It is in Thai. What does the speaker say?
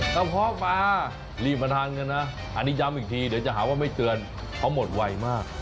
เพาะปลารีบมาทานกันนะอันนี้ย้ำอีกทีเดี๋ยวจะหาว่าไม่เตือนเขาหมดไวมาก